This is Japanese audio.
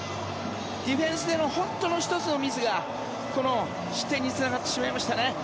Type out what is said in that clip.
ディフェンスでの本当の１つのミスがこの失点につながってしまいましたね。